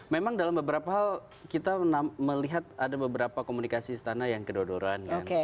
memang dalam beberapa hal kita melihat ada beberapa komunikasi istana yang kedodoran